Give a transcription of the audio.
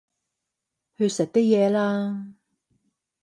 去食啲嘢啦